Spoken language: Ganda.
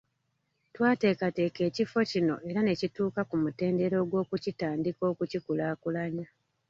Twateekateekera ekifo kino era ne kituuka ku mutendera ogwokutandika okukikulaakulanya.